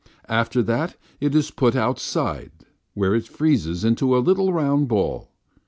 After that it is put outside where it freezes into a little round ball.